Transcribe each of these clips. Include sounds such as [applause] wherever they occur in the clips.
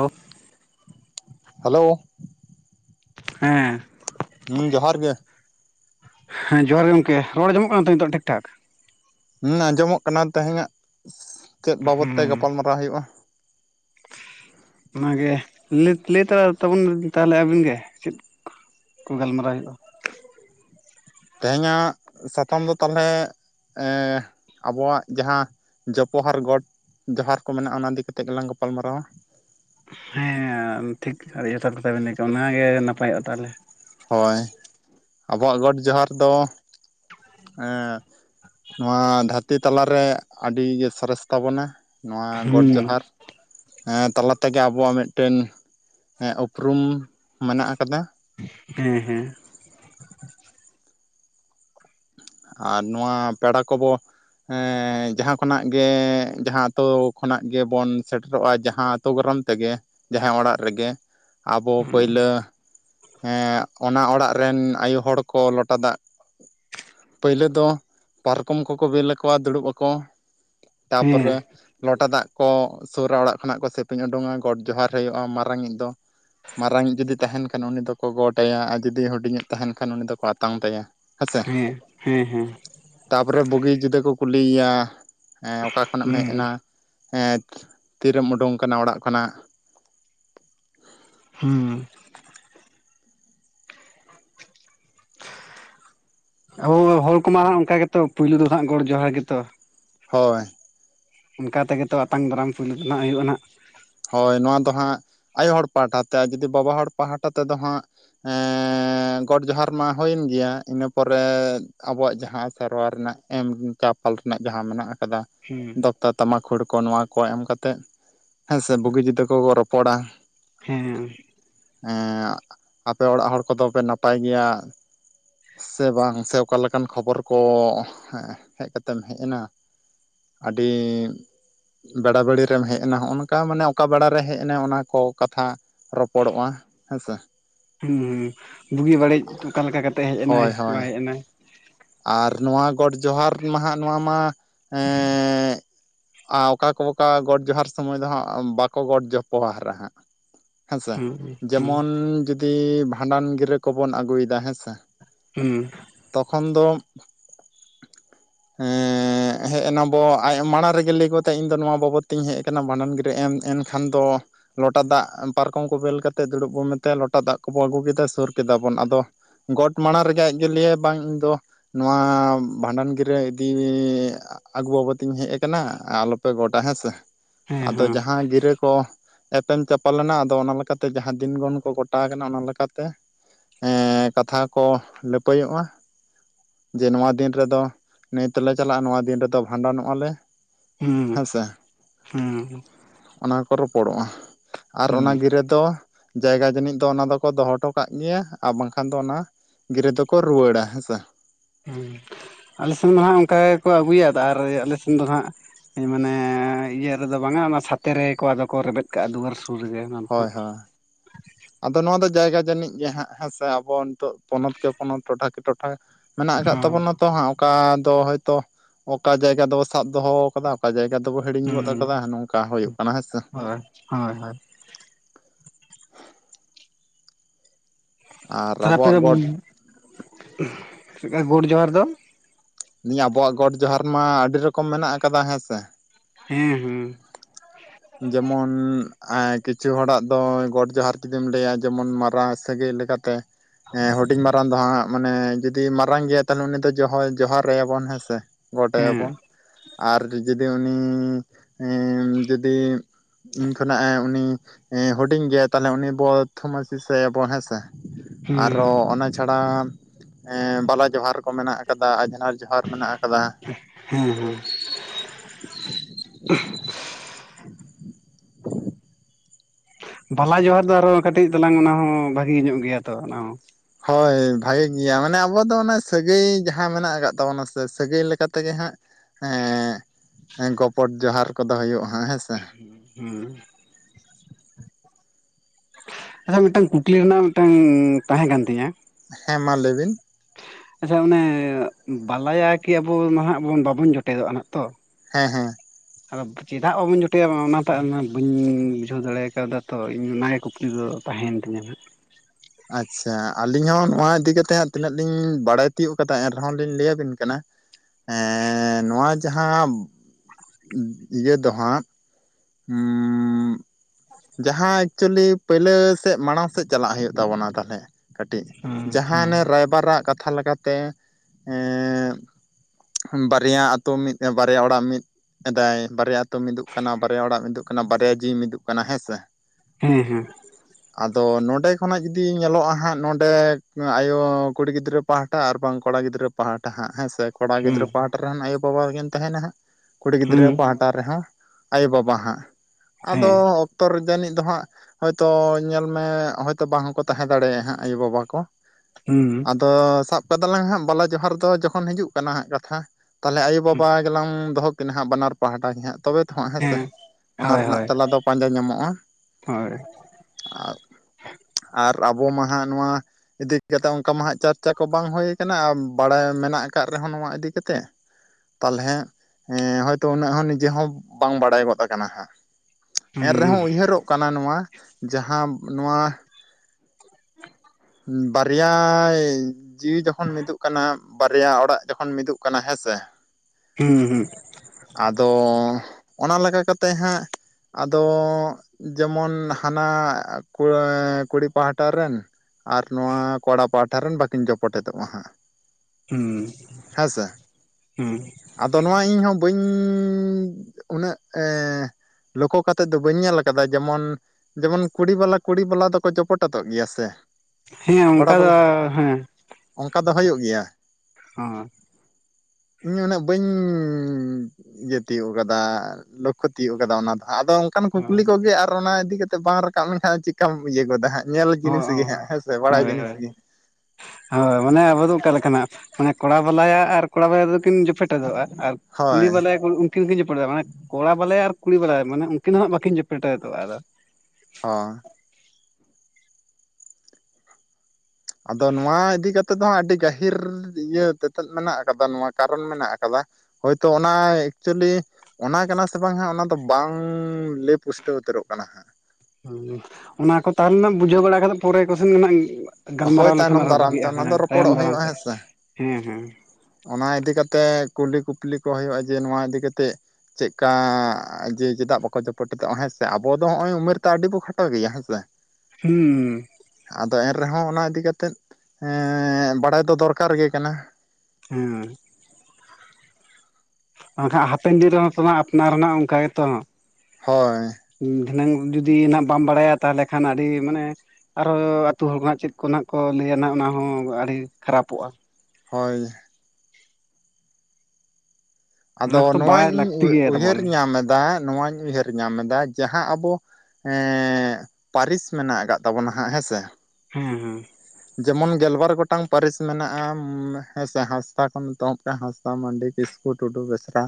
ᱚ ᱦᱟᱞᱚ ᱦᱮᱸ ᱦᱩᱸ ᱡᱚᱦᱟᱨ ᱜᱮ ᱦᱮᱸ ᱡᱚᱦᱟᱨ ᱜᱮ ᱜᱚᱢᱠᱮ ᱨᱚᱲ ᱟᱡᱚᱢᱚᱜ ᱠᱟᱱᱟ ᱱᱤᱛᱚᱜ ᱴᱷᱤᱠ ᱴᱷᱟᱠ ᱦᱮᱸ ᱟᱸᱡᱚᱢᱚᱜ ᱠᱟᱱᱟ, ᱛᱮᱦᱮᱧᱟᱜ ᱪᱮᱫ ᱵᱟᱵᱚᱛ ᱦᱩᱸ ᱛᱮ ᱜᱟᱯᱟᱞᱢᱟᱨᱟᱣ ᱦᱩᱭᱩᱜᱼᱟ ᱚᱱᱟᱜᱮ ᱞᱟᱹ... ᱠᱟ. ᱭ ᱛᱟᱨᱟ ᱛᱟᱵᱚᱱ ᱛᱟᱦᱚᱞᱮ ᱟᱵᱤᱱ ᱜᱮ ᱪᱮᱫ ᱠᱚ ᱜᱟᱞᱢᱟᱨᱟᱣ ᱦᱩᱭᱩᱜᱼᱟ ᱛᱮᱦᱮᱧᱟᱜ ᱥᱟᱛᱟᱢ ᱫᱚ ᱛᱟᱦᱚᱞᱮ ᱮᱸᱻᱟᱵᱚᱣᱟᱜ ᱡᱟᱦᱟᱸ ᱡᱚᱯᱚᱦᱟᱨ ᱜᱚᱴ.. ᱡᱚᱦᱟᱨ ᱠᱚ ᱢᱮᱱᱟᱜᱼᱟ ᱚᱱᱟ ᱤᱫᱤ ᱠᱟᱛᱮ ᱜᱮᱞᱟᱝ ᱜᱟᱯᱟᱞᱢᱟᱨᱟᱣᱟ ᱦᱮᱸ ᱴᱷᱤᱠ ᱟ. ᱰᱤ ᱡᱚᱛᱷᱟᱛ ᱠᱟᱛᱷᱟ ᱵᱮᱱ ᱞᱟᱹᱭ ᱠᱮᱜ-ᱟ ᱚᱱᱟ ᱜᱮ ᱱᱟᱯᱟᱭᱚᱜᱼᱟ ᱛᱟᱦᱚᱞᱮ ᱦᱳᱭ ᱟᱵᱚᱣᱟᱜ ᱜᱚᱰ ᱡᱚᱦᱟᱨ ᱫᱚ ᱱᱚᱶᱟ ᱫᱷᱟᱹᱨᱛᱤ ᱛᱟᱞᱟᱨᱮ ᱟᱹᱰᱤ ᱜᱮ ᱥᱚᱨᱮᱥ ᱛᱟᱵᱚᱱᱟ ᱱᱚᱶᱟ ᱜᱚᱰ ᱦᱩᱸ ᱡᱚᱦᱟᱨ ᱟᱸ.. ᱛᱟᱞᱟ ᱛᱮᱜᱮ ᱟᱵᱚᱣᱟᱜ ᱢᱤᱫᱴᱮᱱ ᱮᱸ ᱩᱯᱨᱩᱢ ᱢᱮᱱᱟᱜ ᱟᱠᱟᱫᱟ ᱦᱮᱸ ᱦᱮᱸ ᱟᱨ ᱱᱚᱣᱟ ᱯᱮᱲᱟ ᱠᱚᱵᱚ ᱮᱸ ᱡᱟᱦᱟᱸ ᱠᱷᱚᱱᱟᱜ ᱜᱮ ᱡᱟᱦᱟᱸ ᱟᱛᱳ ᱠᱷᱚᱱᱟᱜ ᱜᱮᱵᱚᱱ ᱥᱮᱴᱮᱨᱚᱜᱼᱟ ᱡᱟᱦᱟᱸ ᱛᱚ ᱜᱚᱨᱚᱢ ᱛᱮᱜᱮ ᱡᱟᱦᱟᱸᱭ ᱚᱲᱟᱜ ᱨᱮᱜᱮ ᱟᱵᱚ ᱯᱳᱹᱭᱞᱟᱹ ᱮᱸ ᱚᱱᱟ ᱚᱲᱟᱜ ᱨᱮᱱ ᱟᱭᱳ ᱦᱚᱲ ᱠᱚ ᱞᱚᱴᱟ ᱫᱟᱜ ᱯᱚᱭᱞᱟ. ᱫᱳ ᱯᱟᱨᱠᱚᱢ ᱠᱚᱠᱚ ᱵᱤᱞ ᱟᱠᱚᱣᱟ ᱫᱩᱲᱩᱵ ᱟᱠᱚ ᱦᱮᱸ ᱛᱟᱯᱚᱨᱮ ᱞᱚᱴᱟ ᱫᱟᱜ ᱠᱚ ᱥᱩᱨᱟ ᱚᱲᱟᱜ ᱠᱷᱚᱱᱟᱜ ᱠᱚ ᱥᱮᱯᱤᱧ ᱩᱰᱩᱝᱼᱟ ᱜᱚᱴ ᱡᱚᱦᱟᱨ ᱦᱩᱭᱩᱜᱼᱟ ᱢᱟᱨᱟᱝ ᱤᱡ ᱫᱚ ᱢᱟᱨᱟᱝᱤᱡ ᱡᱩᱫᱤ ᱛᱟᱦᱮᱱ ᱠᱷᱟᱱ ᱩᱱᱤ ᱫᱚᱠᱚ ᱜᱚᱰ ᱟᱭᱟ ᱟᱨ ᱡᱩᱫᱤ ᱦᱩᱰᱤᱧ ᱤᱡ ᱛᱟᱦᱮᱱ ᱠᱷᱟᱱ ᱩᱱᱤ ᱫᱚᱠᱚ ᱟᱛᱟᱝ ᱛᱟᱭᱟ ᱦᱮᱸᱥᱮ ᱦᱮᱸ ᱦᱮᱸ ᱦᱮᱸ ᱛᱟᱯᱚᱨᱮ ᱵᱩᱜᱤ ᱡᱩᱫᱟᱹ ᱠᱚ ᱠᱩᱞᱤᱭᱮᱭᱟ ᱦᱮᱸ ᱚᱠᱟ ᱠᱷᱚᱮ ᱮᱢ ᱦᱩᱸ ᱦᱮᱡ ᱮᱱᱟ ᱦᱮᱸ ᱛᱤᱨᱮᱢ ᱩᱰᱩᱝ ᱠᱟᱱᱟ ᱚᱲᱟᱜ ᱠᱷᱚᱱᱟᱜ ᱦᱩᱸ ᱟᱵᱚ ᱦᱚᱲ ᱠᱚᱢᱟ ᱦᱟᱸᱜ ᱚᱱᱠᱟ ᱜᱮᱛᱚ ᱯᱩᱭᱞᱩ ᱫᱚ ᱱᱟᱦᱟᱸᱜ ᱜᱚᱰ ᱡᱚᱦᱟᱨ ᱜᱮᱛᱚ ᱦᱚᱭ ᱚᱱᱠᱟ ᱛᱮᱜᱮ ᱛᱚ ᱟᱛᱟᱝ ᱫᱟᱨᱟᱢ ᱯᱩᱭᱞᱩ ᱫᱚ ᱱᱟᱦᱟᱸᱜ ᱦᱩᱭᱩᱜ-ᱟ ᱱᱟᱦᱟᱸᱜ ᱦᱚᱭ ᱱᱚᱶᱟ ᱫᱚ ᱦᱟᱸᱜ ᱟᱭᱳ ᱦᱚᱲ ᱯᱟᱦᱴᱟ ᱛᱮ ᱡᱩᱫᱤ ᱵᱟᱵᱟ ᱦᱚᱲ ᱯᱟᱦᱴᱟ ᱛᱮᱫᱚ ᱦᱟᱸᱜ ᱮᱸᱻ ᱜᱚᱰ ᱡᱚᱦᱟᱨ ᱢᱟ ᱦᱩᱭ ᱮᱱ ᱜᱮᱭᱟ ᱤᱱᱟᱹ ᱯᱚᱨᱮ ᱟᱵᱚᱣᱟᱜ ᱡᱟᱦᱟᱸ ᱥᱮᱨᱣᱟ ᱨᱮᱱᱟᱜ ᱮᱢ ᱪᱟᱯᱟᱞ ᱨᱮᱱᱟᱜ ᱡᱟᱦᱟᱸ ᱢᱮᱱᱟᱜ ᱟᱠᱟᱫᱟ ᱦᱩᱸ ᱫᱚᱠᱛᱟ ᱛᱟᱢᱟᱠᱷᱩᱲ ᱠᱚ ᱱᱚᱣᱟ ᱠᱚ ᱮᱢ ᱠᱟᱛᱮ ᱦᱮᱸ ᱥᱮ ᱵᱩᱜᱤ ᱡᱩᱫᱟᱹ ᱠᱚᱠᱚ ᱨᱚᱯᱚᱲᱟ ᱦᱮᱸ ᱦᱮᱸ ᱮᱸ ᱟᱯᱮ ᱚᱲᱟᱜ ᱦᱚᱲ ᱠᱚᱫᱚ ᱯᱮ ᱱᱟᱯᱟᱭ ᱜᱮᱭᱟ ᱥᱮ ᱵᱟᱝ ᱥᱮ ᱚᱠᱟ ᱞᱮᱮᱠᱟᱱ ᱠᱷᱚᱵᱚᱨ ᱠᱚ ᱦᱮ... ᱦᱮᱡ ᱠᱟᱛᱮᱢ ᱦᱮᱡ ᱮᱱᱟ ᱟᱹᱰᱤ ᱵᱮᱲᱟ ᱵᱮᱲᱤ ᱨᱮᱢ ᱦᱮᱡ ᱮᱱᱟ ᱦᱚᱸᱜ-ᱚ ᱠᱟ ᱢᱟᱱᱮ ᱚᱠᱟ ᱵᱟᱲᱟ ᱨᱮ ᱦᱮᱡ ᱮᱱᱟ ᱚᱱᱟ ᱠᱚ ᱠᱟᱛᱷᱟ ᱨᱚᱯᱚᱲᱚᱜ-ᱟ ᱦᱮᱸ ᱥᱮ ᱦᱩᱸ ᱦᱩᱸ ᱵᱩᱜᱤ ᱵᱟᱹᱲᱤᱡ ᱚᱠᱟ ᱞᱮᱠᱟ ᱠᱟᱛᱮᱜ ᱦᱮᱡ ᱮᱱᱟᱭ ᱦᱳᱭ ᱦᱳᱭ ᱵᱟᱭ ᱦᱮᱡ ᱮᱱᱟᱭ ᱟᱨ ᱱᱚᱶᱟ ᱜᱚᱰ ᱡᱚᱦᱟᱨ ᱢᱟ ᱦᱟᱸᱜ ᱱᱚᱣᱟ ᱢᱟ ᱮᱸ ᱟᱨ ᱚᱠᱟ ᱠᱚ ᱚᱠᱟ ᱜᱚᱴ ᱡᱚᱦᱟᱨ ᱥᱚᱢᱚᱭ ᱫᱚ ᱦᱟᱸᱜ ᱵᱟᱠᱚ ᱜᱚᱴ ᱡᱚᱯᱚᱦᱟᱨᱟ ᱦᱟᱸᱜ ᱦᱮᱸ ᱥᱮ ᱦᱩᱸ ᱦᱩᱸ ᱡᱮᱢᱚᱱ ᱡᱩᱫᱤ ᱵᱷᱟᱸᱰᱟᱱ ᱜᱤᱨᱟᱹ ᱠᱚᱵᱚᱱ ᱟᱹᱜᱩᱭᱮᱫᱟ ᱦᱮᱸ ᱥᱮ ᱦᱩᱸ ᱛᱚᱠᱷᱚᱱ ᱫᱚ [inaudible] ᱦᱮᱡ ᱮᱱᱟ ᱵᱚ ᱟᱡ ᱢᱟᱲᱟᱝ ᱨᱮᱜᱮ ᱞᱟᱹᱭ ᱜᱚᱫᱟᱭ ᱤᱧ ᱫᱚ ᱱᱚᱣᱟ ᱵᱟᱵᱚᱫ ᱛᱤᱧ ᱦᱮᱡ ᱟᱠᱟᱱᱟ ᱵᱷᱟᱸᱰᱟᱱ ᱜᱤᱨᱟᱹ ᱮᱢ ᱮᱱᱠᱷᱟᱱ ᱫᱚ ᱞᱚᱴᱟ ᱫᱟᱜ ᱯᱟᱨᱠᱚᱢ ᱠᱚ ᱵᱮᱞ ᱠᱟᱛᱮᱫ ᱫᱩᱲᱩᱵ ᱵᱚᱱ ᱢᱮᱛᱟᱭᱟ ᱞᱚᱴᱟ ᱫᱟᱜ ᱠᱚᱵᱚ ᱟᱹᱜᱩ ᱠᱮᱫᱟ ᱥᱩᱨ ᱠᱮᱫᱟ ᱵᱚᱱ ᱟᱫᱚ ᱜᱚᱰ ᱢᱟᱲᱟᱝ ᱨᱮᱜᱮ ᱟᱡ ᱜᱮ ᱞᱟᱹᱭᱟᱭ ᱵᱟᱝ ᱤᱧ ᱫᱚ ᱱᱚᱣᱟ ᱵᱷᱟᱸᱰᱟᱱ ᱜᱤᱨᱟᱹ ᱤᱫᱤ ᱟᱹᱜᱩ ᱵᱟᱵᱚᱫᱤᱧ ᱦᱮᱡ ᱟᱠᱟᱱᱟ ᱟᱞᱚ ᱯᱮ ᱜᱚᱴᱟ ᱦᱮᱸ ᱥᱮ ᱦᱮᱸ ᱟᱫᱚ ᱦᱮᱸ ᱡᱟᱦᱟᱸ ᱜᱤᱨᱟᱹ ᱠᱚ ᱮᱯᱮᱢ ᱪᱟᱯᱟᱞᱮᱱᱟ ᱟᱫᱚ ᱚᱱᱟ ᱞᱮᱠᱟᱛᱮ ᱡᱟᱦᱟᱸ ᱫᱤᱱ ᱜᱚᱱ ᱠᱚ ᱜᱚᱴᱟ ᱟᱠᱟᱱᱟ ᱚᱱᱟ ᱞᱮᱠᱟᱛᱮ ᱮᱸ ᱠᱟᱛᱷᱟ ᱠᱚ ᱞᱟᱹᱯᱟᱹᱭᱚᱜ-ᱟ ᱡᱮ ᱱᱚᱣᱟ ᱫᱤᱱ ᱨᱮᱫᱚ ᱱᱟᱹᱭ ᱛᱮᱞᱮ ᱪᱟᱞᱟᱜ-ᱟ ᱱᱚᱣᱟ ᱫᱤᱱ ᱨᱮᱫᱚ ᱵᱷᱟᱸᱰᱟᱱᱚᱜ-ᱟ ᱞᱮ ᱦᱩᱸ ᱦᱮᱸᱥᱮ ᱦᱩᱸ ᱚᱱᱟ ᱠᱚ ᱨᱚᱯᱚᱲᱚᱜ-ᱟ ᱟᱨ ᱦᱩᱸ ᱚᱱᱟ ᱜᱤᱨᱟᱹ ᱫᱚ ᱡᱟᱭᱜᱟ ᱡᱟᱹᱱᱤᱡ ᱫᱚ ᱚᱱᱟ ᱫᱚᱠᱚ ᱫᱚᱦᱚ ᱦᱚᱴᱚ ᱠᱟᱜ ᱜᱮᱭᱟ ᱟᱨ ᱵᱟᱝᱠᱷᱟᱱ ᱫᱚ ᱚᱱᱟ ᱜᱤᱨᱟᱹ ᱫᱚᱠᱚ ᱨᱩᱣᱟᱹᱲᱟ [unintelligible] ᱟᱞᱮ ᱥᱮᱱ ᱢᱟ ᱱᱷᱟᱜ ᱚᱱᱠᱟ ᱜᱮᱠᱚ ᱟᱹᱜᱩᱭᱟ ᱟᱨ ᱟᱞᱮ ᱥᱮᱱ ᱫᱚ ᱱᱷᱟᱸᱜ ᱢᱟᱱᱮ ᱤᱭᱟᱹ ᱨᱮᱫᱚ ᱵᱟᱝ-ᱟ ᱚᱱᱟ ᱥᱟᱛᱮ ᱨᱮ ᱠᱚ ᱟᱫᱚ ᱠᱚ ᱨᱮᱵᱮᱫ ᱠᱟᱜ-ᱟ ᱫᱩᱣᱟᱹᱨ ᱥᱩᱨ ᱨᱮᱜᱮ ᱚᱱᱟ ᱫᱚ ᱦᱚᱭ ᱦᱚᱭ ᱟᱫᱚ ᱱᱚᱣᱟ ᱫᱚ ᱡᱟᱭᱜᱟ ᱡᱟᱹᱱᱤᱡ ᱜᱮ ᱦᱟᱸᱜ ᱦᱮᱸ ᱥᱮ ᱟᱵᱚ ᱱᱤᱛᱚᱜ ᱯᱚᱱᱚᱛ ᱠᱮ ᱯᱚᱱᱚᱛ ᱴᱚᱴᱷᱟ ᱠᱮ ᱴᱚᱴᱷᱟ ᱢᱮᱱᱟᱜ ᱟᱠᱟᱫ ᱦᱟᱸᱜ ᱦᱚᱸ ᱛᱟᱵᱚᱱᱟ ᱛᱚ ᱦᱟᱸᱜ ᱚᱠᱟ ᱫᱚ ᱦᱚᱭᱛᱚ ᱚᱠᱟ ᱡᱟᱭᱜᱟ ᱫᱚᱵᱚ ᱥᱟᱵ ᱫᱚᱦᱚ ᱟᱠᱟᱫᱟ ᱚᱠᱟ ᱡᱟᱭᱜᱟ ᱫᱚᱵᱚ ᱦᱤᱲᱤᱧ ᱦᱩᱸ ᱜᱚᱫ ᱟᱠᱟᱫᱟ ᱱᱚᱝᱠᱟ ᱦᱩᱭᱩᱜ ᱠᱟᱱᱟ ᱦᱮᱸ ᱥᱮ ᱦᱚᱭ ᱦᱚᱭ ᱟᱨ ᱛᱟᱦᱚᱞᱮ ᱟᱯᱮ ᱟᱵᱚᱣᱟᱜ ᱫᱚ ᱜᱚᱰ ᱪᱮᱫ ᱞᱮᱠᱟ ᱜᱚᱰ ᱡᱚᱦᱟᱨ ᱫᱚ ᱞᱟᱹᱭ ᱮᱫ ᱟᱹᱧ ᱟᱵᱚᱣᱟᱜ ᱜᱚᱰ ᱡᱚᱦᱟᱨ ᱢᱟ ᱟᱹᱰᱤ ᱨᱚᱠᱚᱢ ᱢᱮᱱᱟᱜ ᱟᱠᱟᱫᱟ ᱦᱮᱸ ᱥᱮ ᱦᱮᱸ ᱦᱩᱸ ᱡᱮᱢᱚᱱ ᱠᱤᱪᱷᱩ ᱦᱚᱲᱟᱜ ᱫᱚ ᱜᱚᱰ ᱡᱚᱦᱟᱨ ᱡᱩᱫᱤᱢ ᱞᱟᱹᱭᱟ ᱡᱮᱢᱚᱱ ᱢᱟᱨᱟᱝ ᱥᱟᱹᱜᱟᱹᱭ ᱞᱮᱠᱟᱛᱮ ᱦᱩᱰᱤᱧ ᱢᱟᱨᱟᱝ ᱫᱚ ᱦᱟᱸᱜ ᱢᱟᱱᱮ ᱡᱩᱫᱤ ᱢᱟᱨᱟᱝ ᱜᱮᱭᱟᱭ ᱛᱟᱦᱚᱞᱮ ᱩᱱᱤ ᱫᱚ ᱦᱚᱭ ᱡᱚᱦᱟᱨ ᱟᱭᱟᱵᱚᱱ ᱦᱮᱸ ᱥᱮ ᱜᱚᱰ ᱦᱮᱸ ᱟᱭᱟᱵᱚᱱ ᱟᱨ ᱡᱩᱫᱤ ᱩᱱᱤ ᱤᱸ ᱡᱩᱫᱤ ᱤᱧ ᱠᱷᱚᱱᱟᱜ ᱮ ᱩᱱᱤ ᱦᱩᱰᱤᱧ ᱜᱮᱭᱟ ᱛᱟᱦᱞᱮ ᱩᱱᱤ ᱵᱚ ᱛᱷᱩᱢ ᱟᱥᱤᱥ ᱟᱭᱟᱵᱚ ᱦᱮᱸᱥᱮ ᱟᱨᱚ ᱦᱮᱸ ᱚᱱᱟ ᱪᱷᱟᱲᱟ ᱵᱟᱞᱟ ᱡᱚᱦᱟᱨ ᱠᱚ ᱢᱮᱱᱟᱜ ᱠᱟᱫᱟ ᱟᱡᱷᱱᱟᱨ ᱡᱚᱦᱟᱨ ᱢᱮᱱᱟᱜ ᱠᱟᱫᱟ ᱦᱮᱸ ᱦᱮᱸ [inaudible] ᱵᱟᱞᱟ ᱡᱚᱦᱟᱨ ᱫᱚ ᱟᱨᱦᱚᱸ ᱠᱟᱹᱴᱤᱡ ᱛᱟᱞᱟᱝ ᱚᱱᱟᱦᱚᱸ ᱵᱷᱟᱜᱤ ᱧᱚᱜ ᱜᱮᱭᱟ ᱛᱚ ᱚᱱᱟᱦᱚᱸ ᱦᱚᱭ ᱵᱷᱟᱜᱮ ᱜᱮᱭᱟ ᱢᱟᱱᱮ ᱟᱵᱚᱟᱜ ᱫᱚ ᱚᱱᱮ ᱥᱟᱹᱜᱟᱹᱭ ᱡᱟᱦᱟᱸ ᱢᱮᱱᱟᱜ ᱟᱠᱟᱫ ᱛᱟᱵᱚᱱᱟ ᱥᱮ ᱥᱟᱹᱜᱟᱹᱭ ᱞᱮᱠᱟ ᱛᱮᱜᱮ ᱦᱟᱸᱜ ᱜᱚᱯᱚᱴ ᱡᱚᱦᱟᱨ ᱠᱚᱫᱚ ᱦᱳᱭᱳᱜᱼᱟ ᱦᱮᱸ ᱦᱩᱸ ᱟᱪᱪᱷᱟ ᱢᱤᱫᱴᱟᱝ ᱠᱩᱠᱞᱤ ᱨᱮᱱᱟᱜ ᱢᱤᱫᱴᱟᱝ ᱛᱟᱦᱮᱸ ᱠᱟᱱ ᱛᱤᱧᱟᱹ ᱦᱮᱸ ᱢᱟ ᱞᱟᱹᱭ ᱵᱤᱱ ᱟᱪᱪᱷᱟ ᱚᱱᱮ ᱵᱟᱞᱟᱭᱟ ᱠᱤ ᱟᱵᱚ ᱱᱟᱜ ᱵᱟᱵᱚᱱ ᱡᱚᱴᱮᱫᱚᱜᱼᱟ ᱱᱟᱸᱜ ᱛᱚ ᱦᱮᱸ ᱦᱮᱸ ᱟᱫᱚᱼ ᱪᱮᱫᱟᱜ ᱵᱟᱵᱚᱱ ᱡᱚᱢᱮᱫᱚᱜᱼᱟ ᱚᱱᱟ ᱴᱟᱜ ᱚᱱᱟ ᱵᱟᱹᱧ ᱵᱩᱡᱷᱟᱹᱣ ᱫᱟᱲᱮ ᱠᱟᱣᱫᱟ ᱛᱚ ᱤᱧ ᱚᱱᱟ ᱜᱮ ᱠᱩᱠᱞᱤ ᱫᱚ ᱛᱟᱦᱭᱮᱱ ᱛᱤᱧᱟᱹ ᱱᱟᱜ ᱟᱪᱪᱷᱟ ᱟᱹᱞᱤᱧ ᱦᱚᱸ ᱱᱚᱣᱟ ᱤᱫᱤ ᱠᱟᱛᱮᱫ ᱦᱟᱸᱜ ᱛᱤᱱᱟᱹᱜ ᱞᱤᱧ ᱵᱟᱲᱟᱭ ᱛᱤᱭᱳᱜ ᱠᱟᱫᱟ ᱮᱱ ᱨᱮᱦᱚᱸ ᱞᱤᱧ ᱞᱟᱹᱭ ᱟᱹᱵᱤᱱ ᱠᱟᱱᱟ ᱱᱚᱣᱟ ᱡᱟᱦᱟᱸ ᱤᱭᱟᱹ ᱫᱚ ᱦᱟᱸᱜ [unintelligible] ᱡᱟᱦᱟᱸ ᱮᱠᱪᱩᱭᱮᱞᱤ ᱯᱟᱹᱭᱞᱟᱹ ᱥᱮᱫ ᱢᱟᱲᱟᱝ ᱥᱮᱫ ᱪᱟᱞᱟᱜ ᱦᱩᱭᱩᱜ ᱛᱟᱵᱚᱱᱟ ᱛᱟᱦᱞᱮ ᱠᱟᱹᱴᱤᱡ ᱦᱟᱸᱜ ᱦᱩᱸ ᱡᱟᱦᱟᱸ ᱚᱱᱮ ᱨᱟᱭᱵᱟᱨᱟᱜ ᱠᱟᱛᱷᱟ ᱞᱮᱠᱟᱛᱮ ᱵᱟᱨᱭᱟ ᱟᱛᱳ ᱢᱤᱫ, ᱵᱟᱨᱭᱟ ᱚᱲᱟᱜ ᱢᱤᱫ ᱮᱫᱟᱭ, ᱵᱟᱨᱭᱟ ᱟᱛᱳ ᱢᱤᱫᱚᱜ ᱠᱟᱱᱟ ᱵᱟᱨᱭᱟ ᱚᱲᱟᱜ ᱢᱤᱫᱩᱜ ᱠᱟᱱᱟ, ᱵᱟᱨᱭᱟ ᱡᱤᱣᱤ ᱢᱤᱫᱩᱜ ᱠᱟᱱᱟ ᱦᱮᱸ ᱥᱮ ᱦᱮᱸ ᱦᱮᱸ ᱟᱫᱚ ᱱᱚᱰᱮ ᱠᱷᱚᱱᱟᱜ ᱡᱩᱫᱤ ᱧᱮᱞᱚᱜᱼᱟ ᱦᱟᱸᱜ ᱱᱚᱰᱮ ᱟᱭᱳ ᱠᱩᱲᱤ ᱜᱤᱫᱽᱨᱟᱹ ᱯᱟᱦᱟᱴᱟ ᱟᱨ ᱵᱟᱝ ᱠᱚᱲᱟ ᱜᱤᱫᱽᱨᱟᱹ ᱯᱟᱦᱟᱴᱟ ᱦᱟᱸᱜ ᱦᱮᱸ ᱥᱮ ᱾ ᱠᱚᱲᱟ ᱦᱮᱸ ᱜᱤᱫᱽᱨᱟᱹ ᱯᱟᱦᱟᱴᱟ ᱨᱮᱱ ᱟᱭᱳᱼᱵᱟᱵᱟ ᱠᱤᱱ ᱛᱟᱦᱮᱱᱟ ᱦᱟᱸᱜ ᱠᱩᱲᱤ ᱜᱤᱫᱽᱨᱟᱹ ᱦᱩᱸ ᱯᱟᱦᱟᱴᱟ ᱨᱮᱦᱚᱸ ᱟᱭᱳᱼᱵᱟᱵᱟ ᱦᱟᱸᱜ ᱾ ᱦᱩᱸ ᱟᱫᱚ ᱦᱮᱸ ᱚᱠᱛᱚ ᱨᱮ ᱡᱟᱹᱱᱤᱡ ᱫᱚ ᱦᱟᱸᱜ ᱦᱳᱭᱛᱳ ᱧᱮᱞᱢᱮ ᱦᱚᱭᱛᱳ ᱵᱟᱝ ᱦᱚᱸᱠᱚ ᱛᱟᱦᱮᱸ ᱫᱟᱲᱮᱭᱟᱜᱼᱟ ᱦᱟᱸᱜ ᱟᱭᱳᱼᱵᱟᱵᱟ ᱠᱚ ᱾ ᱦᱩᱸ ᱟᱫᱚ ᱥᱟᱵ ᱠᱟᱫᱟᱞᱟᱝ ᱦᱟᱸᱜ ᱵᱟᱞᱟ ᱡᱚᱦᱟᱨ ᱫᱚ ᱡᱚᱠᱷᱚᱱ ᱦᱤᱡᱩᱜ ᱠᱟᱱᱟ ᱦᱟᱸᱜ ᱠᱟᱛᱷᱟ ᱛᱟᱦᱚᱞᱮ ᱟᱭᱳ ᱵᱟᱵᱟ ᱜᱮᱞᱟᱝ ᱫᱚᱦᱚ ᱠᱤᱱᱟ ᱦᱟᱸᱜ ᱵᱟᱱᱟᱨ ᱯᱟᱦᱴᱟ ᱜᱮ ᱦᱟᱸᱜ ᱛᱚᱵᱮ ᱛᱚ ᱦᱟᱸᱜ ᱦᱮᱸ ᱥᱮ, ᱚᱱᱟ ᱦᱳᱭ ᱨᱮᱱᱟᱜ ᱦᱳᱭ ᱛᱟᱞᱟ ᱫᱚ ᱯᱟᱸᱡᱟ ᱧᱟᱢᱚᱜᱼᱟ ᱦᱳᱭ ᱾ ᱟᱨ ᱟᱵᱚ ᱢᱟ ᱦᱟᱸᱜ ᱱᱚᱣᱟ ᱤᱫᱤ ᱠᱟᱛᱮᱫ ᱚᱱᱠᱟ ᱢᱟ ᱦᱟᱸᱜ ᱪᱟᱨᱪᱟ ᱠᱚ ᱵᱟᱝ ᱦᱳᱭ ᱠᱟᱱᱟ ᱟᱨ ᱵᱟᱲᱟᱭ ᱢᱮᱱᱟᱜ ᱠᱟᱫ ᱨᱮᱦᱚᱸ ᱱᱚᱣᱟ ᱤᱫᱤ ᱠᱟᱛᱮᱫ ᱛᱟᱦᱚᱞᱮ ᱦᱳᱭᱛᱚ ᱩᱱᱟᱹᱜ ᱦᱚᱸ ᱱᱤᱡᱮ ᱦᱚᱸ ᱵᱟᱝ ᱵᱟᱲᱟᱭ ᱜᱚᱫ ᱠᱟᱱᱟ ᱦᱟᱸᱜ ᱾ ᱦᱩᱸ ᱮᱱ ᱨᱮᱦᱚᱸ ᱩᱭᱦᱟᱹᱨᱚᱜ ᱠᱟᱱᱟ ᱱᱚᱣᱟ ᱡᱟᱦᱟᱸ ᱱᱚᱣᱟ ᱵᱟᱨᱭᱟᱻ ᱡᱤᱣᱤ ᱡᱚᱠᱷᱚᱱ ᱢᱤᱫᱩᱜ ᱠᱟᱱᱟ, ᱵᱟᱨᱭᱟ ᱚᱲᱟᱜ ᱡᱚᱠᱷᱚᱱ ᱢᱤᱫᱩᱜ ᱠᱟᱱᱟ ᱦᱮᱸ ᱥᱮ ᱦᱩᱸ ᱦᱩᱸ ᱟᱫᱚ ᱚᱱᱟ ᱞᱮᱠᱟ ᱠᱟᱛᱮᱜ ᱦᱟᱸᱜ ᱟᱫᱚ ᱡᱮᱢᱚᱱ ᱦᱟᱱᱟ ᱠᱩᱲᱤ ᱯᱟᱦᱟᱴᱟ ᱨᱮᱱ ᱟᱨ ᱱᱚᱣᱟ ᱠᱚᱲᱟ ᱯᱟᱦᱟᱴᱟ ᱨᱮᱱ ᱵᱟᱹᱠᱤᱱ ᱡᱚᱯᱚᱴᱮᱫᱚᱜᱼᱟ ᱦᱟᱸᱜ ᱦᱩᱸ ᱦᱮᱸ ᱥᱮ ᱦᱩᱸ ᱾ ᱟᱫᱚ ᱱᱚᱣᱟ ᱤᱧᱦᱚᱸ ᱵᱟᱹᱧ ᱩᱱᱟᱹᱜ ᱮᱻ ᱞᱚᱠᱠᱷᱳ ᱠᱟᱛᱮᱫ ᱫᱚ ᱵᱟᱹᱧ ᱧᱮᱞ ᱠᱟᱫᱟ ᱡᱮᱢᱚᱱ ᱡᱮᱢᱚᱱ ᱠᱩᱲᱤ ᱵᱟᱞᱟ ᱠᱩᱲᱤ ᱵᱟᱞᱟ ᱫᱚᱠᱚ ᱡᱚᱯᱚᱴᱮᱛᱚᱜ ᱜᱮᱭᱟ ᱥᱮ ᱦᱮᱸ ᱠᱚᱲᱟ ᱚᱱᱠᱟ ᱫᱚ ᱵᱟᱞᱟ ᱦᱮᱸ, ᱚᱱᱠᱟ ᱫᱚ ᱦᱩᱭᱩᱜ ᱜᱮᱭᱟ ᱦᱚᱸ [inaudible] ᱤᱧ ᱩᱱᱟᱹᱜ ᱵᱟᱹᱧ ᱤᱭᱟᱹ ᱛᱤᱭᱳᱜ ᱠᱟᱫᱟᱼ ᱞᱚᱠᱠᱷᱚ ᱛᱤᱭᱳᱜ ᱠᱟᱫᱟ ᱚᱱᱟ ᱫᱚ ᱟᱫᱚ ᱚᱱᱠᱟᱱ ᱠᱩᱠᱞᱤ ᱦᱳᱭ ᱠᱚᱜᱮ ᱟᱨ ᱚᱱᱟ ᱤᱫᱤ ᱠᱟᱛᱮᱫ ᱵᱟᱝ ᱨᱟᱠᱟᱵ ᱢᱮᱱᱠᱷᱟᱱ ᱪᱤᱠᱟᱢ ᱤᱭᱟᱹ ᱜᱚᱫᱟ ᱦᱟᱸᱜ ᱧᱮᱞ ᱡᱤᱱᱤᱥ ᱜᱮ ᱚ ᱦᱟᱸᱜ ᱦᱮᱸ ᱥᱮ ᱵᱟᱲᱟᱭ ᱦᱳᱭ ᱡᱤᱱᱤᱥ ᱦᱳᱭ ᱜᱮ ᱦᱳᱭ ᱢᱟᱱᱮ ᱟᱵᱚ ᱚᱠᱟ ᱞᱮᱠᱟᱱᱟᱜ ᱢᱟᱱᱮ ᱠᱚᱲᱟ ᱵᱟᱞᱟᱭᱟ ᱟᱨ ᱠᱚᱲᱟ ᱵᱟᱞᱟ ᱫᱚᱠᱤᱱ ᱡᱚᱯᱮᱴᱮᱫᱚᱜᱼᱟ ᱟᱨ ᱠᱩᱲᱤ ᱦᱳᱭ ᱵᱟᱞᱟᱭ ᱩᱱᱠᱤᱱ ᱠᱤᱱ ᱡᱚᱯᱚᱴᱮᱫᱚᱜᱼᱟ ᱢᱟᱱᱮ ᱠᱚᱲᱟ ᱵᱟᱞᱟᱭᱟ ᱟᱨ ᱠᱩᱲᱤ ᱵᱟᱞᱟᱭᱟ ᱢᱟᱱᱮ ᱩᱱᱠᱤᱱ ᱫᱚ ᱦᱟᱸᱜ ᱵᱟᱹᱠᱤᱱ ᱡᱚᱯᱚᱴᱮᱫᱚᱜᱼᱟᱫᱚ ᱾ ᱦᱳᱸ ᱟᱫᱚ ᱱᱚᱣᱟ ᱤᱫᱤ ᱠᱟᱛᱮᱫ ᱫᱚ ᱦᱟᱸᱜ ᱟᱹᱰᱤ ᱜᱟᱹᱦᱤᱨ ᱤᱭᱟᱹ ᱛᱮᱛᱮᱫ ᱢᱮᱱᱟᱜ ᱠᱟᱫᱟ, ᱱᱚᱣᱟ ᱠᱟᱨᱚᱱ ᱢᱮᱱᱟᱜ ᱠᱟᱫᱟ ᱦᱳᱭᱛᱳ ᱚᱱᱟ ᱮᱠᱪᱩᱭᱮᱞᱤ ᱚᱱᱟ ᱠᱟᱱᱟ ᱥᱮ ᱵᱟᱝ ᱚᱱᱟ ᱫᱚ ᱵᱟᱝ ᱞᱟᱹᱭ ᱯᱩᱥᱴᱟᱹᱣ ᱩᱛᱟᱹᱨᱚᱜ ᱠᱟᱱᱟ ᱦᱟᱸᱜ ᱾ ᱦᱩᱸ ᱚᱱᱟ ᱠᱚ ᱛᱟᱦᱚᱞᱮ ᱵᱩᱡᱷᱟᱹᱣ ᱵᱟᱲᱟ ᱠᱟᱛᱮ ᱯᱚᱨᱮ ᱠᱚᱥᱮᱱ ᱦᱳᱭ ᱜᱟᱞᱢᱟᱨᱟᱣ ᱞᱮᱠᱷᱟᱱ ᱛᱟᱭᱱᱚᱢ ᱟᱨᱦᱚᱸ ᱫᱟᱨᱟᱢ ᱛᱮ ᱵᱷᱟᱜᱤᱜᱼᱟ ᱦᱮᱸ ᱚᱱᱟ ᱫᱚ ᱛᱟᱭᱚᱢ ᱨᱚᱯᱚᱲᱚᱜ ᱫᱟᱨᱟᱢ ᱦᱩᱭᱩᱜᱼᱟ ᱛᱮ ᱦᱮᱸ ᱥᱮ ᱾ ᱦᱮᱸ ᱦᱮᱸ ᱚᱱᱟ ᱤᱫᱤ ᱠᱟᱛᱮᱜ ᱠᱩᱞᱤ ᱠᱩᱯᱞᱤ ᱠᱚ ᱦᱩᱭᱩᱜᱼᱟ ᱡᱮ ᱱᱚᱣᱟ ᱤᱫᱤ ᱠᱟᱛᱮᱜ ᱪᱮᱫᱠᱟ ᱡᱮ ᱪᱮᱫᱟᱜ ᱵᱟᱠᱚ ᱡᱚᱯᱚᱴᱮᱫᱚᱜᱼᱟ ᱦᱮᱸ ᱥᱮ ᱾ ᱟᱵᱚ ᱫᱚ ᱚᱧᱚᱭ ᱩᱢᱮᱨ ᱛᱮ ᱟᱹᱰᱤᱵᱚ ᱠᱷᱟᱴᱚ ᱜᱮᱭᱟ ᱦᱮᱸ ᱥᱮ ᱾ ᱦᱩᱸ ᱦᱩᱸ ᱟᱫᱚ ᱮᱱᱨᱮᱦᱚᱸ ᱚᱱᱟ ᱤᱫᱤ ᱠᱟᱛᱮᱫ ᱵᱟᱲᱟᱭ ᱫᱚ ᱫᱚᱨᱠᱟᱨ ᱜᱮ ᱠᱟᱱᱟ ᱾ ᱦᱮᱸ ᱵᱟᱝᱠᱷᱟᱱ ᱦᱟᱯᱮᱱᱫᱤᱱ ᱨᱮᱦᱚᱸ ᱛᱚ ᱟᱯᱱᱟᱨ ᱨᱮᱱᱟᱜ ᱚᱱᱠᱟ ᱜᱮᱛᱚ ᱦᱳᱭ ᱫᱷᱤᱱᱟᱹᱝ ᱡᱩᱫᱤ ᱱᱟᱜ ᱵᱟᱢ ᱵᱟᱲᱟᱭᱟ ᱛᱟᱦᱚᱞᱮ ᱠᱷᱟᱱ ᱟᱹᱰᱤ ᱢᱟᱱᱮ ᱟᱨᱚ ᱟᱹᱛᱩ ᱦᱚᱲ ᱠᱚ ᱱᱟᱜ ᱪᱮᱫ ᱠᱚ ᱱᱟᱜ ᱠᱚ ᱞᱟᱹᱭᱟ ᱱᱟᱦᱟᱜ ᱚᱱᱟ ᱦᱚᱸ ᱟᱹᱰᱤ ᱠᱷᱟᱨᱟᱯᱚᱜᱼᱟ ᱾ ᱦᱳᱭ ᱚᱱᱟ ᱟᱫᱚ ᱠᱚᱫᱚ ᱵᱟᱲᱟᱭ ᱱᱚᱣᱟᱧ ᱞᱟᱹᱠᱛᱤ ᱜᱮ ᱩᱭᱦᱟᱹᱨ ᱛᱟᱵᱚᱱ ᱧᱟᱢ ᱮᱫᱟ ᱱᱚᱣᱟᱧ ᱩᱭᱦᱟᱹᱨ ᱧᱟᱢᱮᱫᱟ ᱡᱟᱦᱟᱸ ᱟᱵᱚ ᱯᱟᱹᱨᱤᱥ ᱢᱮᱱᱟᱜ ᱠᱟᱫ ᱛᱟᱵᱚᱱᱟ ᱱᱟᱜ ᱦᱮᱸᱥᱮ ᱦᱮᱸ ᱦᱮᱸ ᱡᱮᱢᱚᱱ ᱜᱮᱞᱵᱟᱨ ᱜᱚᱴᱟᱝ ᱯᱟᱹᱨᱤᱥ ᱢᱮᱱᱟᱜᱼᱟ ᱦᱮᱸ ᱥᱮ ᱦᱟᱸᱥᱫᱟ ᱠᱷᱚᱱ ᱮᱛᱚᱦᱚᱵ ᱦᱟᱸᱥᱫᱟ, ᱢᱟᱱᱰᱤ, ᱠᱤᱥᱠᱩ, ᱴᱩᱰᱩ, ᱵᱮᱥᱨᱟ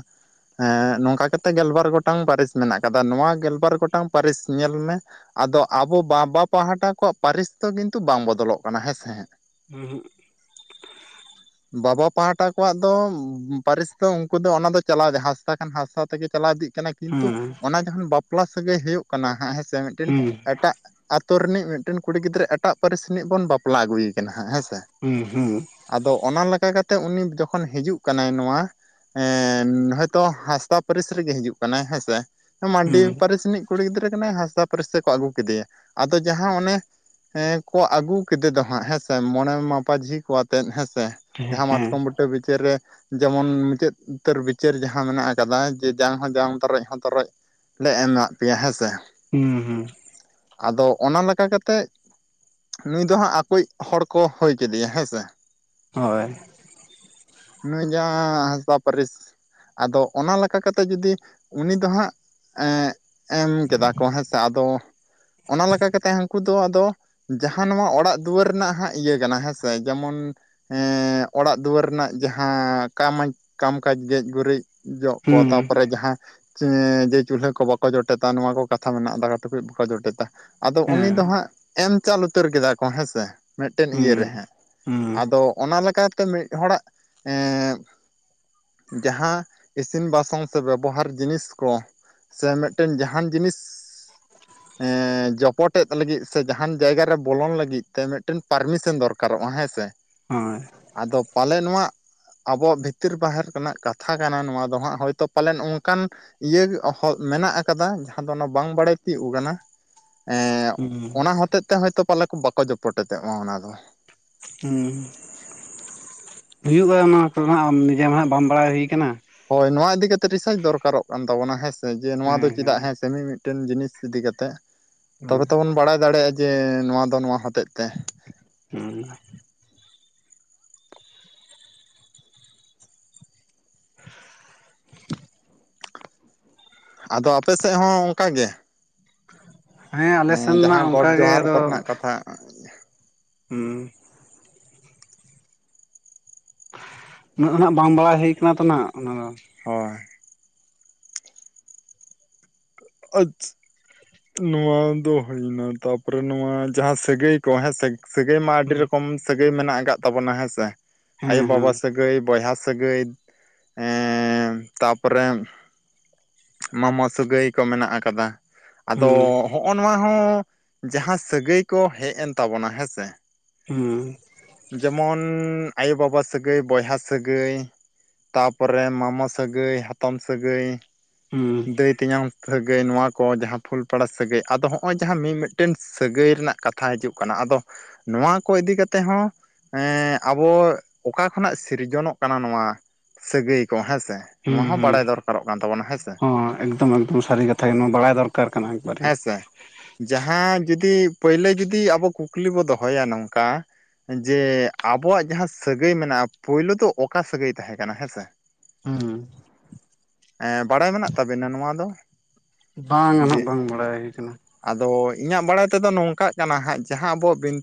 ᱱᱚᱝᱠᱟ ᱠᱟᱛᱮᱜ ᱜᱮᱞᱵᱟᱨ ᱜᱚᱴᱟᱝ ᱯᱟᱹᱨᱤᱥ ᱢᱮᱱᱟᱜ ᱠᱟᱫᱟ᱾ ᱱᱚᱣᱟ ᱜᱮᱞᱵᱟᱨ ᱜᱚᱴᱟᱝ ᱯᱟᱹᱨᱤᱥ ᱧᱮᱞ ᱢᱮ ᱟᱫᱚ ᱟᱵᱚ ᱵᱟᱵᱟ ᱯᱟᱦᱴᱟ ᱠᱚᱣᱟᱜ ᱯᱟᱹᱨᱤᱥ ᱫᱚ ᱠᱤᱱᱛᱩ ᱵᱟᱝ ᱵᱚᱫᱚᱞᱚᱜ ᱠᱟᱱᱟ ᱦᱮᱸᱥᱮ ᱦᱟᱸᱜ ᱩᱸ ᱦᱩᱸᱜ ᱵᱟᱵᱟ ᱯᱟᱦᱴᱟ ᱠᱚᱣᱟᱜ ᱫᱚ ᱯᱟᱹᱨᱤᱥ ᱫᱚ ᱩᱱᱠᱩ ᱫᱚ ᱚᱱᱟ ᱫᱚ ᱪᱟᱞᱟᱣ ᱦᱟᱸᱥᱫᱟ ᱠᱷᱟᱱ ᱦᱟᱸᱥᱫᱟ ᱛᱮᱜᱮ ᱪᱟᱞᱟᱣ ᱤᱫᱤᱜ ᱠᱟᱱᱟ ᱠᱤᱱᱛᱩ ᱦᱮᱸ ᱚᱱᱟ ᱡᱚᱠᱷᱚᱱ ᱵᱟᱯᱞᱟ ᱥᱟᱹᱜᱟᱹᱭ ᱦᱩᱭᱩᱜ ᱠᱟᱱᱟ ᱦᱟᱸᱜ ᱦᱮᱸ ᱥᱮ ᱢᱤᱫᱴᱮᱱ ᱦᱩᱸ ᱮᱴᱟᱜ ᱟᱛᱳ ᱨᱤᱱᱤᱡ ᱢᱤᱫᱴᱮᱱ ᱠᱩᱲᱤ ᱜᱤᱫᱽᱨᱟᱹ ᱮᱴᱟᱜ ᱯᱟᱹᱨᱤᱥ ᱨᱤᱱᱤᱡ ᱵᱚᱱ ᱵᱟᱯᱞᱟ ᱟᱹᱜᱩᱭ ᱠᱟᱱᱟ ᱦᱟᱸᱜ ᱦᱮᱸ ᱥᱮ ᱦᱩᱸ ᱦᱩᱸ ᱟᱫᱚ ᱚᱱᱟ ᱞᱮᱠᱟ ᱠᱟᱛᱮᱜ ᱩᱱᱤ ᱡᱚᱠᱷᱚᱱ ᱦᱤᱡᱩᱜ ᱠᱟᱱᱟᱭ ᱱᱚᱣᱟ ᱦᱚᱭᱛᱳ ᱦᱟᱸᱥᱫᱟ ᱯᱟᱹᱨᱤᱥ ᱨᱮᱜᱮ ᱦᱤᱡᱩᱜ ᱠᱟᱱᱟᱭ ᱦᱮᱸ ᱥᱮ ᱢᱟᱱᱰᱤ ᱦᱩᱸ ᱯᱟᱹᱨᱤᱥ ᱨᱤᱱᱤᱡ ᱠᱩᱲᱤ ᱜᱤᱫᱽᱨᱟᱹ ᱠᱟᱱᱟᱭ ᱦᱟᱸᱥᱫᱟ ᱯᱟᱹᱨᱤᱥ ᱛᱮᱠᱚ ᱟᱹᱜᱩ ᱠᱮᱫᱮᱭᱟ ᱟᱫᱚ ᱡᱟᱦᱟᱸ ᱚᱱᱮ ᱦᱮᱸ ᱠᱚ ᱟᱹᱜᱩ ᱠᱮᱫᱮ ᱫᱚ ᱦᱟᱸᱜ ᱦᱮᱸᱥᱮ ᱢᱚᱬᱮ ᱢᱟ-ᱯᱟᱹᱡᱷᱤ ᱠᱚ ᱟᱛᱮᱜ ᱦᱮᱸᱥᱮ ᱦᱮᱸ ᱦᱮᱸ ᱡᱟᱦᱟᱸᱢᱟᱛᱠᱚᱢ ᱵᱩᱴᱟᱹ ᱵᱤᱪᱟᱹᱨ ᱨᱮ ᱡᱮᱢᱚᱱ ᱢᱩᱪᱟᱹᱫ ᱩᱛᱟᱹᱨ ᱵᱤᱪᱟᱹᱨ ᱡᱟᱦᱟᱸ ᱢᱮᱱᱟᱜ ᱠᱟᱫᱟ ᱡᱮ ᱡᱟᱝ ᱦᱚᱸ ᱡᱟᱝ ᱛᱚᱨᱚᱡ ᱦᱚᱸ ᱛᱚᱨᱚᱡ ᱞᱮ ᱮᱢᱟᱜ ᱯᱮᱭᱟ ᱦᱮᱸᱥᱮ᱾ ᱦᱩᱸ ᱦᱩᱸ ᱟᱫᱚ ᱚᱱᱟ ᱞᱮᱠᱟ ᱠᱟᱛᱮ ᱱᱩᱭ ᱫᱚ ᱦᱟᱸᱜ ᱟᱠᱩᱡ ᱦᱚᱲ ᱠᱚ ᱦᱩᱭ ᱠᱮᱫᱮᱭᱟ ᱦᱮᱸ ᱥᱮ ᱦᱳᱭ ᱱᱩᱭ ᱡᱟᱦᱟᱸ ᱦᱟᱸᱥᱫᱟ ᱯᱟᱹᱨᱤᱥ ᱟᱫᱚ ᱚᱱᱟ ᱞᱮᱠᱟ ᱠᱟᱛᱮ ᱡᱩᱫᱤ ᱩᱱᱤ ᱫᱚ ᱦᱟᱸᱜ ᱮᱢ ᱠᱮᱫᱟ ᱠᱚ ᱦᱮᱸ ᱥᱮ ᱟᱫᱚ ᱚᱱᱟ ᱞᱮᱠᱟ ᱠᱟᱛᱮᱜ ᱦᱟᱝᱠᱩ ᱫᱚ ᱟᱫᱚ ᱡᱟᱦᱟᱸ ᱱᱚᱣᱟ ᱚᱲᱟᱜ ᱫᱩᱣᱟᱹᱨ ᱨᱮᱱᱟᱜ ᱦᱟᱸᱜ ᱤᱭᱟᱹ ᱠᱟᱱᱟ ᱦᱮᱸᱥᱮ ᱡᱮᱢᱚᱱ ᱚᱲᱟᱜ ᱫᱩᱣᱟᱹᱨ ᱨᱮᱱᱟᱜ ᱡᱟᱦᱟᱸ ᱠᱟᱢ ᱠᱟᱢ ᱠᱟᱡᱽ ᱜᱮᱡ ᱜᱩᱨᱤᱡ ᱡᱚᱜ ᱠᱚ ᱦᱩᱸ ᱛᱟᱨᱯᱚᱨᱮ ᱡᱟᱦᱟᱸ ᱡᱮ ᱪᱩᱞᱦᱟᱹ ᱠᱚ ᱵᱟᱠᱚ ᱡᱚᱴᱮᱫᱟ ᱱᱚᱣᱟ ᱠᱚ ᱠᱟᱛᱷᱟ ᱢᱮᱱᱟᱜᱼᱟ ᱫᱟᱠᱟ ᱴᱩᱠᱩᱡ ᱵᱟᱠᱚ ᱡᱚᱴᱮᱫᱟ ᱟᱫᱚ ᱦᱮᱸ ᱩᱱᱤ ᱫᱚ ᱦᱟᱸᱜ ᱮᱢ ᱪᱟᱞ ᱩᱛᱟᱹᱨ ᱠᱮᱫᱟ ᱠᱚ ᱦᱮᱸ ᱥᱮ ᱢᱤᱫᱴᱮᱱ ᱦᱩᱸ ᱤᱭᱟᱹ ᱨᱮ ᱦᱚᱸᱜ᱾ ᱦᱩᱸ ᱟᱫᱚ ᱚᱱᱟ ᱞᱮᱠᱟᱛᱮ ᱢᱤᱫ ᱦᱚᱲᱟᱜ ᱦᱮᱸ ᱡᱟᱦᱟᱸ ᱤᱥᱤᱱ ᱵᱟᱥᱟᱝᱸᱧ ᱥᱮ ᱵᱮᱵᱚᱦᱟᱨ ᱡᱤᱱᱤᱥ ᱠᱚ ᱥᱮ ᱢᱤᱫᱴᱮᱱ ᱡᱟᱹᱦᱟᱱ ᱡᱤᱱᱤᱥ, ᱡᱚᱯᱚᱴᱮᱫ ᱞᱟᱹᱜᱤᱫ ᱥᱮ ᱡᱟᱹᱦᱟᱱ ᱡᱟᱦᱟᱱ ᱡᱟᱭᱜᱟ ᱨᱮ ᱵᱚᱞᱚᱱ ᱞᱟᱹᱜᱤᱫ ᱛᱮ ᱢᱤᱫᱴᱮᱱ ᱯᱟᱨᱢᱤᱥᱮᱱ ᱫᱚᱨᱠᱟᱨᱚᱜᱼᱟ ᱦᱮᱸ ᱥᱮ ᱦᱳᱭ ᱟᱫᱚ ᱯᱟᱞᱮᱫ ᱱᱚᱣᱟ ᱟᱵᱚᱣᱟᱜ ᱵᱷᱤᱛᱤᱨ ᱵᱟᱦᱮᱨ ᱨᱮᱱᱟᱜ ᱠᱟᱛᱷᱟ ᱠᱟᱱᱟ ᱱᱚᱣᱟ ᱫᱚ ᱦᱟᱸᱜ ᱦᱳᱭᱛᱳ ᱯᱟᱞᱮᱱ ᱚᱱᱠᱟᱱ ᱤᱭᱟᱹ ᱦᱚᱸ ᱢᱮᱱᱟᱜ ᱟᱠᱟᱫᱟ ᱡᱟᱦᱟᱸ ᱫᱚ ᱚᱱᱟ ᱵᱟᱝ ᱵᱟᱲᱟᱭ ᱛᱤᱭᱳᱜ ᱟᱠᱟᱱᱟ ᱮ ᱦᱩᱸ ᱚᱱᱟᱹ ᱦᱚᱛᱮᱡ ᱛᱮ ᱦᱚᱭᱛᱳ ᱯᱟᱞᱮ ᱠᱚ ᱵᱟᱠᱚ ᱡᱚᱯᱚᱴᱚᱜ ᱢᱟ ᱚᱱᱟ ᱫᱚ ᱦᱩᱸ, ᱦᱩᱭᱩᱜᱼᱟ ᱚᱱᱟ ᱠᱚᱫᱚᱱᱟᱜ ᱱᱤᱡᱮ ᱢᱟ ᱦᱟᱸᱜ ᱵᱟᱢ ᱵᱟᱲᱟᱭ ᱦᱩᱭ ᱠᱟᱱᱟ ᱦᱳᱭᱸ ᱱᱚᱣᱟ ᱤᱫᱤᱱ ᱠᱟᱛᱮ ᱨᱤᱥᱟᱨᱪ ᱫᱚᱨᱠᱟᱨᱚᱜ ᱠᱟᱱ ᱛᱟᱵᱚᱱᱟ ᱦᱮᱸᱥᱮ ᱡᱮ ᱱᱚᱣᱟ ᱫᱚ ᱪᱮᱫᱟᱜ ᱦᱮᱸ ᱥᱮ ᱢᱤ-ᱢᱤᱫ ᱴᱮᱱ ᱡᱤᱱᱤᱥ ᱤᱫᱤ ᱠᱟᱛᱮᱫ, ᱦᱩᱸ ᱛᱚᱵᱮ ᱛᱚᱵᱚᱱ ᱵᱟᱲᱟᱭ ᱫᱟᱲᱮᱭᱟᱜᱼᱟ ᱡᱮ ᱱᱚᱣᱟ ᱫᱚ ᱱᱚᱣᱟ ᱦᱚᱛᱮᱫ ᱛᱮ ᱦᱮᱸ [inaudible] ᱟᱫᱚ ᱟᱯᱮ ᱥᱮᱫ ᱦᱚᱸ ᱚᱱᱠᱟ ᱜᱮ ᱦᱮᱸ ᱟᱞᱮ ᱥᱮᱱ ᱱᱟᱜ ᱡᱟᱦᱟᱸ ᱜᱚᱰ ᱚᱱᱠᱟ ᱜᱮ, ᱡᱚᱦᱟᱨ ᱟᱫᱚ ᱠᱚᱨᱮᱱᱟᱜ ᱠᱟᱛᱷᱟ ᱦᱩᱸ ᱩᱱᱟᱹᱜ ᱫᱚ ᱱᱟᱜ ᱵᱟᱝ ᱵᱟᱲᱟᱭ ᱦᱩᱭ ᱟᱠᱟᱱᱟ ᱛᱚ ᱦᱟᱸᱜ ᱚᱱᱟ ᱫᱚ ᱦᱳᱭ ᱟᱼᱪᱷᱸ ᱱᱚᱹᱣᱟ ᱫᱚ ᱦᱩᱭᱹᱱᱟ ᱛᱟᱯᱚᱹᱨᱮ ᱱᱚᱣᱟᱹ ᱡᱟᱦᱟᱸ ᱥᱟᱹᱜᱟᱹᱭ ᱠᱚ ᱦᱮᱸᱥᱮ ᱥᱟᱹᱜᱟᱹᱭ ᱢᱟ ᱟᱹᱰᱤ ᱦᱩᱸ ᱨᱚᱠᱚᱢ ᱥᱟᱹᱜᱟᱹᱭ ᱢᱮᱱᱟᱼᱜ ᱟᱼᱠᱟᱫ ᱛᱟᱵᱚᱱᱟ ᱦᱮᱸᱥ ᱦᱮᱸ ᱟᱭᱳᱼᱵᱟᱵᱟ ᱦᱮᱸ ᱥᱟᱹᱭ ᱥᱟᱹᱜᱟᱹᱭ ᱵᱚᱭᱦᱟ ᱥᱟᱹᱜᱟᱹᱭ ᱛᱟᱯᱚᱹᱨᱮ ᱢᱟᱢᱟ ᱥᱟᱹᱜᱟᱹᱭ ᱠᱚ ᱢᱮᱱᱟᱼᱜ ᱟᱼᱠᱟᱫᱟ ᱟᱼᱫᱚ ᱦᱩᱸ ᱦᱚᱜᱼᱚᱭ ᱱᱚᱣᱟᱹ ᱦᱚᱸ ᱡᱟᱦᱟᱸ ᱥᱟᱹᱜᱟᱹᱭ ᱠᱚ ᱦᱮᱡ ᱮᱱ ᱛᱟᱵᱚᱱᱟ ᱦᱮᱸ ᱥᱮ ᱦᱮᱸ ᱡᱮᱹᱢᱚᱱ ᱟᱭᱳ ᱵᱟᱵᱟ ᱥᱟᱹᱜᱟᱹᱭ ᱵᱚᱭᱦᱟ ᱥᱟᱹᱜᱟᱹᱭ ᱛᱟᱯᱚᱹᱨᱮ ᱢᱟᱢᱚ ᱥᱟᱹᱜᱟᱹᱭ ᱦᱟᱛᱚᱢ ᱥᱟᱹᱜᱟᱹᱭ ᱦᱩᱸ ᱫᱟᱹᱭ ᱛᱮᱧᱟᱢ ᱥᱟᱹᱜᱟᱹᱭ ᱱᱚᱣᱟ ᱠᱚ ᱡᱟᱦᱟᱸ ᱯᱷᱩᱞᱯᱟᱲᱟ ᱥᱟᱹᱜᱟᱹᱭ ᱟᱼᱫᱚ ᱦᱚᱸᱜᱼᱚᱭ ᱡᱟᱦᱟᱸ ᱢᱤᱫᱼᱢᱤᱫᱴᱮᱱ ᱥᱟᱹᱜᱟᱹᱭ ᱨᱮᱱᱟᱼᱜ ᱠᱟᱛᱷᱟᱹ ᱦᱤᱡᱩᱜ ᱠᱟᱱᱟ ᱟᱼᱫᱚ ᱱᱚᱹᱣᱟ ᱠᱚ ᱤᱫᱤ ᱠᱟᱹᱛᱮ ᱦᱚᱸ ᱦᱮᱸ ᱟᱵᱚ ᱚᱠᱟ ᱠᱷᱚᱱᱟᱜ ᱥᱤᱨᱡᱚᱱᱚᱜ ᱠᱟᱱᱟ ᱱᱚᱹᱣᱟ ᱥᱟᱹᱜᱟᱹᱭ ᱠᱚ ᱦᱮᱸᱥᱮ ᱦᱮᱸ ᱦᱸ ᱦ ᱮᱠᱫᱚᱢ ᱮᱠᱫᱚᱢ ᱥᱟᱹᱨᱤ ᱠᱟᱛᱷᱟᱹ ᱜᱮ ᱱᱚᱹᱣᱟ ᱵᱟᱲᱟᱼᱭ ᱫᱚᱨᱹᱠᱟᱨ ᱠᱟᱱᱟ ᱮᱠᱵᱟᱨ ᱦᱮᱸ ᱥᱮ ᱡᱟᱦᱟᱸ ᱡᱩᱫᱤ ᱯᱳᱭᱞᱳ ᱡᱩᱫᱤ ᱟᱵᱚ ᱠᱩᱠᱞᱤ ᱵᱚ ᱫᱚᱦᱚᱭᱼᱟ ᱱᱚᱝᱹᱠᱟ ᱡᱮ ᱟᱵᱚᱣᱟᱼᱜ ᱡᱟᱦᱟᱸ ᱥᱟᱹᱜᱟᱹᱭ ᱢᱮᱱᱟᱜᱼᱟ ᱯᱳᱭᱞᱳ ᱫᱚ ᱚᱠᱟ ᱥᱟᱹᱜᱟᱹᱭ ᱛᱟᱦᱮᱸ ᱠᱟᱱᱟᱱᱟ ᱦᱮᱸᱥᱮ ᱦᱸ ᱦᱮᱸ ᱵᱟᱲᱟᱼᱭ ᱢᱮᱱᱟᱼᱜ ᱛᱟᱵᱤᱱᱟ ᱱᱚᱹᱣᱟ ᱫᱚ ᱵᱟᱝᱼᱦᱟᱜᱸ ᱵᱟᱝ ᱵᱟᱲᱟᱼᱭ ᱦᱩᱭᱸᱠᱟᱱᱟ᱾ ᱟᱼᱫᱚ ᱤᱧᱟᱹᱜ ᱵᱟᱲᱟᱼᱭ ᱛᱮᱸᱫᱚ ᱱᱚᱝᱼᱠᱟᱜ ᱠᱟᱱᱟ ᱦᱟᱸᱜ ᱡᱟᱦᱟᱸ ᱟᱵᱚᱣᱟᱼᱜ ᱵᱤᱱ